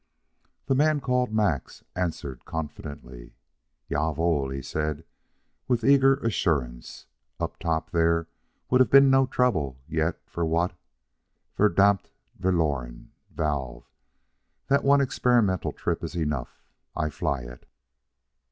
The man called Max answered confidently. "Ja wohl!" he said with eager assurance. "Up top there would have been no trouble yet for that verdammt, verloren valve. That one experimental trip is enough I fly it!"